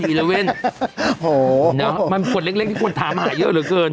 มันเป็นผลเล็กที่คนถามหาเยอะเหลือเกิน